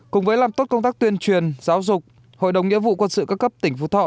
cùng với làm tốt công tác tuyên truyền giáo dục hội đồng nghĩa vụ quân sự các cấp tỉnh phú thọ